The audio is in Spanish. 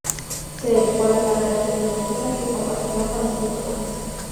Se dedicó a la carrera religiosa, que compaginó con la escritura.